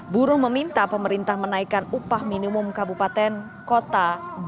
buruh meminta pemerintah menaikan upah minimum kabupaten kota dua ribu dua puluh tiga